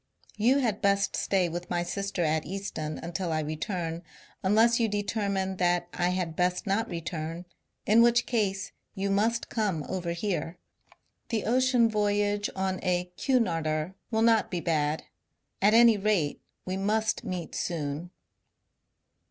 ... You had best stay with my sister at Easton until I return ; unless you determine that 1 had best not return — in which case you must come over here. The ocean voyage on a Cunarder will not be bad. At any rate, we must meet soon.